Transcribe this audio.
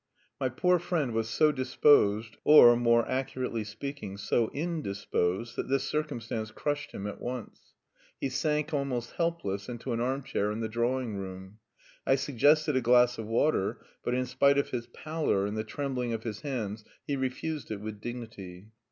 My poor friend was so disposed, or, more accurately speaking, so indisposed that this circumstance crushed him at once; he sank almost helpless into an arm chair in the drawing room. I suggested a glass of water; but in spite of his pallor and the trembling of his hands, he refused it with dignity.